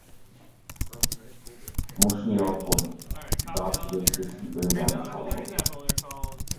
مۇشۇ يالقۇن: داچىدەك ئېسىل ئۆيلەرنى سالدۇق.